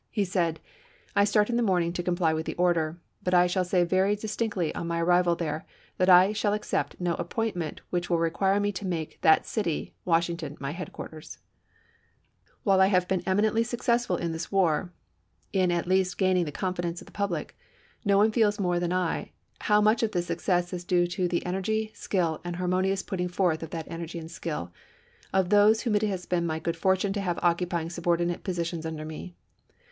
He said :" I start in the morning to comply with the order, but I shall say very dis tinctly on my arrival there that I shall accept no appointment which will require me to make that city [Washington] my headquarters. .. While I have GENERAL LEOXIDAS POLK, BISHOP OF LOUISIANA. GRANT GENERAL IN CHIEF 337 been eminently successful in this war, in at least ch. xm. gaining the confidence of the public, no one feels more than I how much of this success is clue to the energy, skill, and the harmonious putting forth of that energy and skill, of those whom it has been my good fortune to have occupying subordinate posi tions under me.